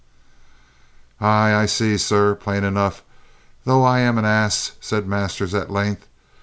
"Aye, I sees, sir, plain enuff, though I'm a hass," said Masters at length.